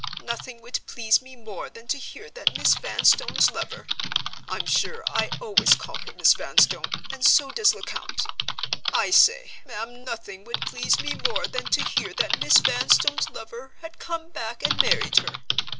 Nothing would please me more than to hear that Miss Vanstone's lover (I'm sure I always call her Miss Vanstone, and so does Lecount)—I say, ma'am, nothing would please me more than to hear that Miss Vanstone's lover had come back and married her.